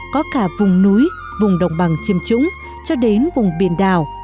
có cả vùng núi vùng đồng bằng chiêm trũng cho đến vùng biển đảo